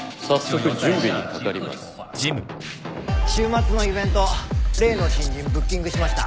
週末のイベント例の新人ブッキングしました。